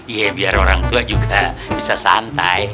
iya biar orang tua juga bisa santai